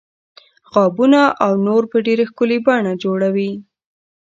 غابونه او نور په ډیره ښکلې بڼه جوړوي.